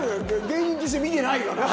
芸人として見てないから。